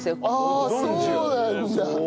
ああそうなんだ！